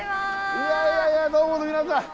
いやいやいやどうも皆さん。